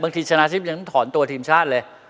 บางทีชนะทศิษย์ยังถอนตัวทีมชาติเลย